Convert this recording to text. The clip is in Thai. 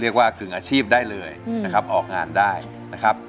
กึ่งอาชีพได้เลยนะครับออกงานได้นะครับ